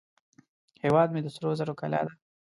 هیواد مې د سرو زرو کلاه ده